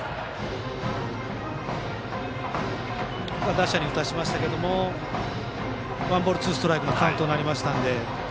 打者に打たせましたがワンボールツーストライクのカウントなので。